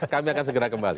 kami akan segera kembali